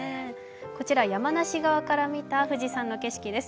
こちらは山梨側から見た富士山の景色です。